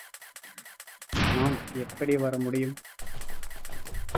நான் எப்படி வரமுடியும்.